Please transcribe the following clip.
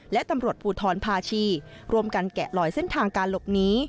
และตำรวจภูทรภาชีรวมกันแกะลอยเส้นทางการหลบหนี